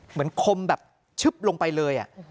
เหมือนคมแบบชึ๊บลงไปเลย